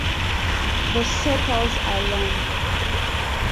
The sepals are long.